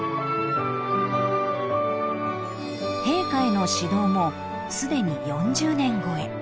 ［陛下への指導もすでに４０年超え］